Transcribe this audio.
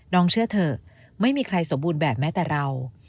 เชื่อเถอะไม่มีใครสมบูรณ์แบบแม้แต่เรา